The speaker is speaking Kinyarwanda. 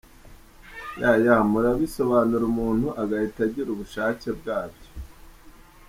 yaya murabisobanura umuntu agahita agira ubushake bwabyo.